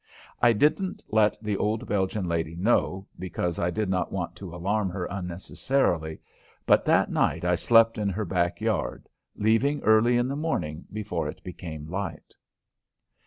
I didn't let the old Belgian lady know, because I did not want to alarm her unnecessarily, but that night I slept in her backyard, leaving early in the morning before it became light.